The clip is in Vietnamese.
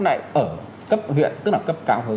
lại ở cấp huyện tức là cấp cao hơn